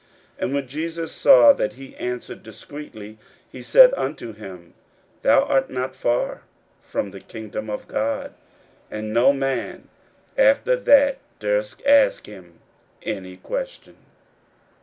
41:012:034 And when Jesus saw that he answered discreetly, he said unto him, Thou art not far from the kingdom of God. And no man after that durst ask him any question.